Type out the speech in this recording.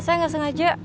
saya gak sengaja